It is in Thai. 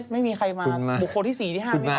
ไม่มีใครมา